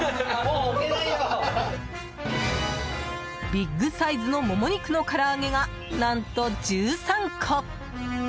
ビッグサイズのモモ肉のから揚げが、何と１３個。